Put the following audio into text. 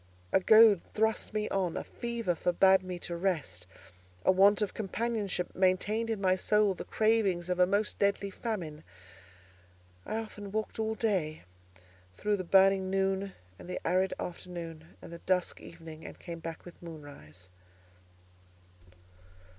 A goad thrust me on, a fever forbade me to rest; a want of companionship maintained in my soul the cravings of a most deadly famine. I often walked all day, through the burning noon and the arid afternoon, and the dusk evening, and came back with moonrise.